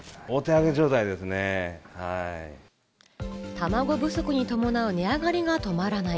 たまご不足に伴う値上がりが止まらない。